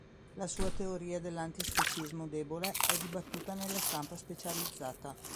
La sua teoria dell'antispecismo debole è dibattuta nella stampa specializzata.